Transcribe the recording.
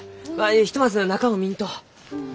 ひとまず中を見んと。